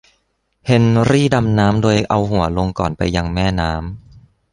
เฮนรี่ดำน้ำโดยเอาหัวลงก่อนไปยังแม่น้ำ